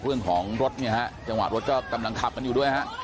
เรื่องของรถเนี่ยฮะจังหวะรถก็กำลังขับกันอยู่ด้วยฮะ